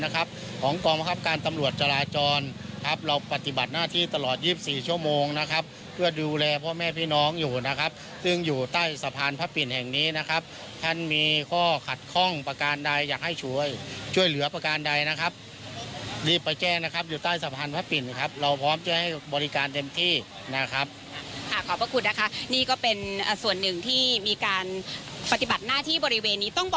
ของกองบังคับการตำรวจจราจรครับเราปฏิบัติหน้าที่ตลอด๒๔ชั่วโมงนะครับเพื่อดูแลพ่อแม่พี่น้องอยู่นะครับซึ่งอยู่ใต้สะพานพระปิ่นแห่งนี้นะครับท่านมีข้อขัดข้องประการใดอยากให้ช่วยช่วยเหลือประการใดนะครับรีบไปแจ้งนะครับอยู่ใต้สะพานพระปิ่นครับเราพร้อมจะให้บริการเต็มที่นะครับค่ะขอบพระคุณนะคะนี่ก็เป็นส่วนหนึ่งที่มีการปฏิบัติหน้าที่บริเวณนี้ต้องบ่